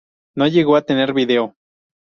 No llegó a tener video.